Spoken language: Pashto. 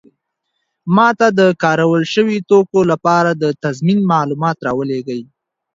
ما ته د کارول شوي توکو لپاره د تضمین معلومات راولیږئ.